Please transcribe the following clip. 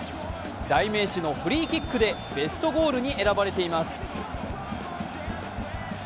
代名詞のフリーキックでベストゴールに選ばれています。